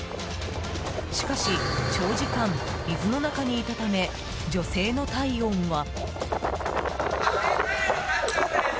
しかし、長時間水の中にいたため女性の体温は。